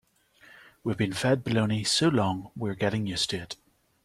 We've been fed baloney so long we're getting used to it.